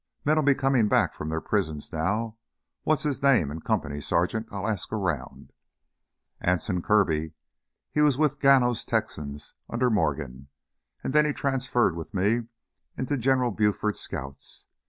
"Men'll be comin' back from their prisons now. What's his name and company, Sergeant? I'll ask around." "Anson Kirby. He was with Gano's Texans under Morgan, and then he transferred with me into General Buford's Scouts.